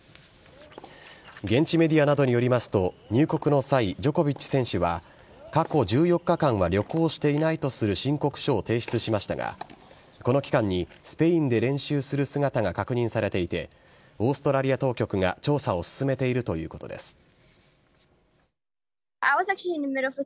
現地メディアなどによりますと、入国の際、ジョコビッチ選手は、過去１４日間は旅行していないとする申告書を提出しましたが、この期間にスペインで練習する姿が確認されていて、オーストラリア当局が調査を進めているということです。